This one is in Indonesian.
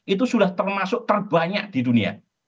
itu sudah termasuk terbanyak di dunia